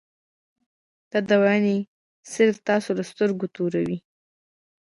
دا دوايانې صرف تاسو له سترګې توروي -